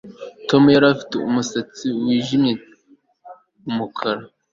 Tom yari afite umusatsi wijimye umukara